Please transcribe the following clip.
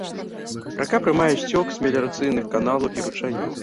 Рака прымае сцёк з меліярацыйных каналаў і ручаёў.